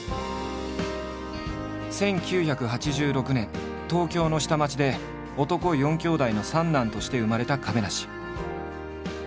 １９８６年東京の下町で男４兄弟の３男として生まれた亀梨。